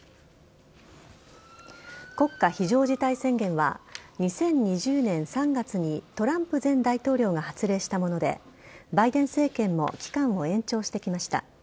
国家非常事態宣言は、２０２０年３月にトランプ前大統領が発令したもので、バイデン政権も期間を延長してきました。